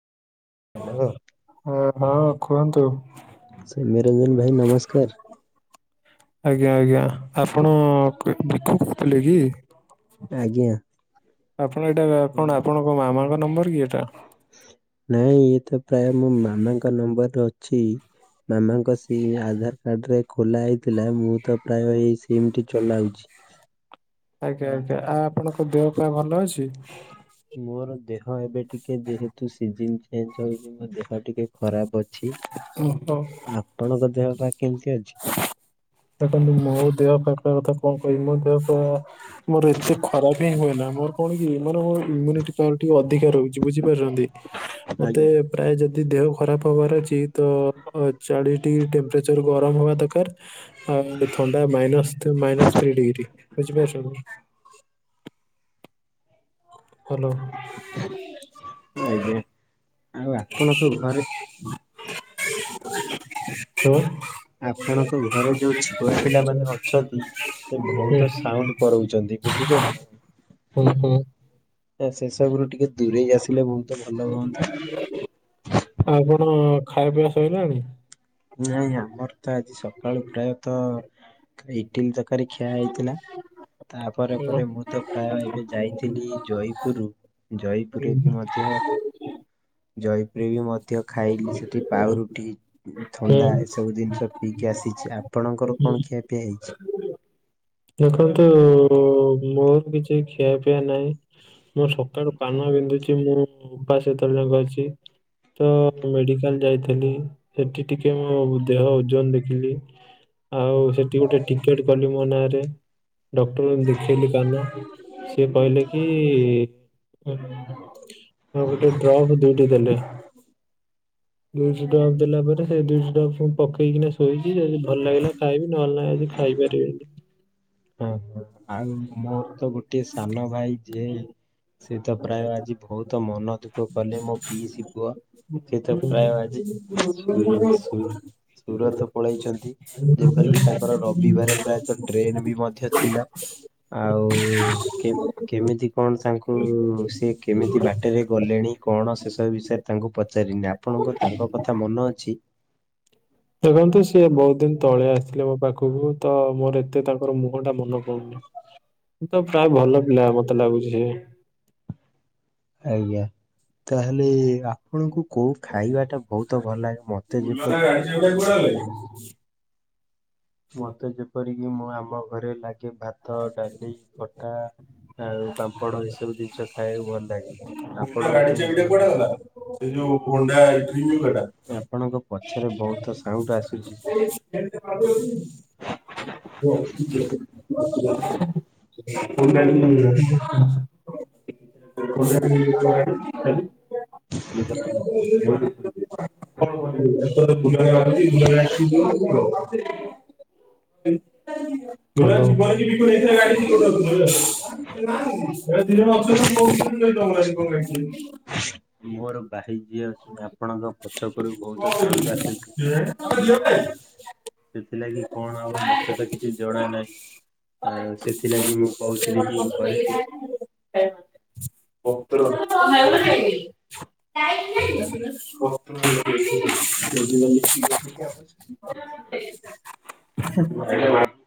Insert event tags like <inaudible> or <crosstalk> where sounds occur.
Hello. ହଁ ହଁ କୁହନ୍ତୁ। ସୌମ୍ୟରଞ୍ଜନ ଭାଇ ନମସ୍କାର। ଆଜ୍ଞା ଆଜ୍ଞା ଆପଣ କ ବିକୁ କହୁଥିଲେ କି? ଆଜ୍ଞା। ଆପଣ ଏଇଟା କଣ ଆପଣଙ୍କ ମାମାଙ୍କ ନମ୍ବର କି ଏଇଟା? ନାଇଁ ଇଏ ତ ପ୍ରାୟ ମୋ ମାମାଙ୍କ ନମ୍ବରରେ ଅଛି। ମାମାଙ୍କ ସି ଆଧାର କାର୍ଡ଼ରେ ଖୋଲା ହେଇଥିଲା। ମୁଁ ତ ପ୍ରାୟ ଏହି ସିମଟି ଚଲାଉଛି। ଆଜ୍ଞା ଆଜ୍ଞା ଆଉ ଆପଣଙ୍କ ଦେହ ପା ଭଲ ଅଛି? ମୋର ଦେହ ଏବେ ଟିକେ ଯେହେତୁ ସିଜିନ ଚେଞ୍ଜ ହଉଚି ମୋ ଦେହ ଟିକେ ଖରାପ ଅଛି। ଓହୋ ଆପଣଙ୍କ ଦେହ ପା କେମିତି ଅଛି? ଦେଖନ୍ତୁ ମୋ ଦେହ ପା କଥା କଣ କହିବି ମୋର ଦେହ ପା ମୋର ଏତେ ଖରାପ ହିଁ ହୁଏ ନା। ମୋର କଣ କି ମାନେ ମୋ ହ୍ୟୁମ୍ୟୁନିଟି ପାୱାର ଟା ଟିକେ ଅଧିକା ରହୁଚି ବୁଝିପାରୁଚନ୍ତି? ମୋତେ ଆଜ୍ଞା ପ୍ରାୟ ଯଦି ଦେହ ଖରାପ ହବାର ଅଛି ତ ଚାଳିଶ ଡିଗ୍ରୀ ଟେମ୍ପରେଚର ଗରମ ହବା ଦ ରକାର ଆଉ ଥଣ୍ଡା ମାଇନସ୍ ଥ ମାଇନସ ଥ୍ରୀ ଡିଗ୍ରୀ ବୁଝିପାରୁଚନ୍ତି? ଆଜ୍ଞା। ହାଲୋ। ଆଉ ଆପଣଙ୍କ ଘରେ <unintelligible> ଆପଣଙ୍କ ଘରେ ଯୋଉ ହ୍ୟାଲୋ ଛୁଆ ପିଲାମାନେ ହଁ। କରଉଚନ୍ତି ବୁଝିଚନ୍ତି? ଉଁ ହୁଁ। ତ ସେ ସବୁରୁ ଟିକେ ଦୂରେଇ ଆସିଲେ ବହୁତ ଭଲ ହୁଅନ୍ତା। <unintelligible> ଆପଣ ଖାଇବା ପିଇବା ଶଇଲାଣି? ନାଇଁ ଆଜ୍ଞା ମୋର ତ ଆଜି ସକାଳୁ ପ୍ରାୟତ ଏ ଇଟିଲି ତରକାରୀ ଖିଆ ହେଇଥିଲା। ତା ପରେ ହୁଁ ପରେ ମୁଁ ତ ପ୍ରାୟ ଏବେ ଯାଇଥିଲି ଜୟପୁର ଜୟପୁରରେ ବି ହୁଁ ମଧ୍ୟ ଜୟପୁରରେ ବି ମଧ୍ୟ ଖାଇଲି ସେଠି ପାଉଁରୁଟି ଥଣ୍ଡା ଏସବୁ ଜିନିଷ ପିଇକି ଆସିଚି ଆପଣଙ୍କର ହୁଁ କଣ ଖିଆ ପିଆ ହେଇଚି? ଦେଖନ୍ତୁ ଓ ମୋର କିଛି ଖିଆ ପିଆ ନାହିଁ। ମୋ ସକାଳୁ କାନ ବିନ୍ଧୁଚି ମୁଁ ଉପାସ ଏତ ବେଳ ଯାଙ୍କେ ଅଛି। ତ ମେଡିକାଲ ଯାଇଥିଲି ସେଠି ଟିକେ ମୋ ଦେହ ଓଜନ ଦେଖିଲି। ଆଉ ସେଠି ଗୋଟେ ଟିକେଟ କଲି ମୋ ନାଁ ରେ ଡକ୍ଟରଙ୍କୁ ଦେଖେଇଲି କାନ। ସିଏ କହିଲେ କି ମୋର ଗୋଟେ ଡ୍ରଫ୍ ଦଉ ଦେଇ ଦେଲେ। ଦୁଇଟି ଡ୍ରପ୍ ଦେଲା ପରେ ସେ ଦୁଇଟି ଡ୍ରପ୍ ସେମ ପକେଇକିନା ଶୋଇଚି। ଯଦି ଭଲ ଲାଗିଲା ଖାଇବି ନହେଲେ ନାଇଁ ଆଜି ଖା ଖାଇ ପାରିବିନି। ହଁ ହଁ ଆଉ ମୋର ତ ଗୋଟେ ସାନ ଭାଇ ଯିଏ ସେ ତ ପ୍ରାୟ ଆଜି ବହୁତ ମନ ଦୁଃଖ କଲେ। ମୋ ପିଇସି ପୁଅ ସେ ତ ପ୍ରାୟ ଆଜି ସୁର ସୁର ସୁରତ ପଳାଇଚନ୍ତି ଯେପରିକି ତାଙ୍କର ରବିବାର ପ୍ରାୟତଃ ଟ୍ରେନ ବି ମଧ୍ୟ ଥିଲା। ଆଉ କେ-କେମିତି କଣ ତାଙ୍କୁ ସେ କେମିତି ବାଟରେ ଗଲେଣି କଣ ସେସବୁ ବିଷୟରେ ତାଙ୍କୁ ପଚାରିନି। ଆପଣଙ୍କ ତାଙ୍କ କଥା ମନେ ଅଛି? ଦେଖନ୍ତୁ ସିଏ ବହୁତ ଦିନ ତଳେ ଆସିଥିଲେ ମୋ ପାଖକୁ ତ ମୋର ଏତେ ତାଙ୍କର ମୁହଁ ଟା ମନ ପଡୁନି। ତ ପ୍ରାୟ ଭଲ ପିଲା ମତେ ଲାଗୁଚି ଯେ? ଆଜ୍ଞା ତାହେଲେ ଆ ଆପଣଙ୍କୁ କୋଉ ଖାଇବା ଟା ବହୁତ ଭଲ ଲାଗେ। ମତେ ତା ଗାଡି ଚାବିଟା କୁଆଡେ ଯେପରି ଗଲା? ମତେ ଯେପରିକି ମୁଁ ଆମ ଘରେ ଲାଗେ ଭାତ ଡାଲି ଖଟା ଆଉ ପାମ୍ପଡ଼ ଏସବୁ <unintelligible> ଜିନିଷ ଖାଇବାକୁ ଭଲ ଲାଗେ ସେ ଆପଣଙ୍କୁ କେମିତି ଯଉ ହୋଣ୍ଡା ଇିମ ଆପଣଙ୍କ ପଛରେ କଟା ବହୁତ ସାଉଣ୍ଡ ଆସୁଛି। ଏଇଟା ପାଳୁଚନ୍ତି? <inaudible> <inaudible> <unintelligible> ସାଇଟି <inaudible> ଦେଶରେ <inaudible> ବୁଲା ଜୀବନରେ ବି କଣ କୋ ହେଇଥିଲା ଗାଡି ମୁଁ <inaudible> ତମେ ଦିଜଣ ଆଛ ମୁ କମ୍ପ୍ଲିଟ କରିପାରୁନାହିଁ କଣ ପାଇଁ? ମୋର ବାହିଯ୍ୟ ଅଛନ୍ତି ଆପଣଙ୍କ ପଛକରୁ ବହୁତ ସାଉଣ୍ଡ ଆସୁଚି। ସେଥିଲାଗି କଣ ହବ ମୋତେ ତ କିଛି ଜଣା ନାଇ। ସେଥିଲାଗି ଘରେ <unintelligible> <inaudible> <unintelligible> ପତ୍ର <inaudible> ପତ୍ର ସେବି <inaudible> ଗଲି କି ଗପୁଛି ଆପଣ ଆରେ <inaudible> ବାପ